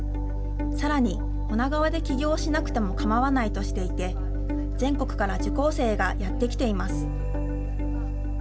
さらに、女川で起業しなくても構わないとしていて、全国から受講生がやって来ています。